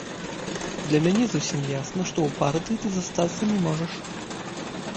Для мяне зусім ясна, што ў партыі ты застацца не можаш.